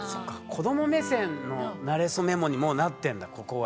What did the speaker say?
子ども目線の「なれそメモ」にもうなってんだここは。